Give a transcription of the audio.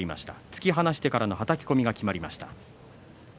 突き放してからのはたき込みがきまりました。